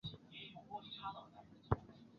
莱济尼昂人口变化图示